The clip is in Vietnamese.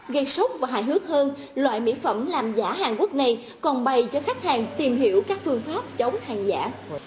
gây sốc và hài hước hơn loại mỹ phẩm làm giả hàn quốc này còn bày cho khách hàng tìm hiểu các phương pháp chống hàng giả